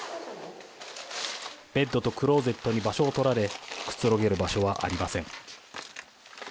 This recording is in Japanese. ベッドとクローゼットに場所を取られくつろげる場所はありません。